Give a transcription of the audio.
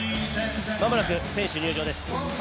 まもなく選手入場です。